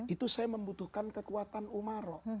itu saya membutuhkan kekuatan umaro